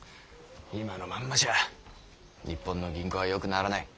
今のまんまじゃ日本の銀行はよくならない。